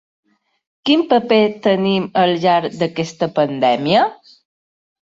Quin paper tenim al llarg d’aquesta pandèmia?.